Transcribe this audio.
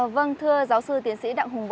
vâng thưa giáo sư tiến sĩ đặng hùng võ